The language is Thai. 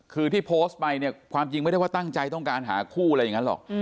คือที่โพสต์ไปเนี่ยความจริงไม่ได้ว่าตั้งใจต้องการหาคู่อะไรอย่างนั้นหรอก